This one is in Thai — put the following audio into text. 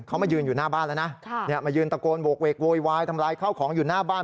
เขามายืนอยู่หน้าบ้านแล้วนะมายืนตะโกนโหกเวกโวยวายทำลายข้าวของอยู่หน้าบ้าน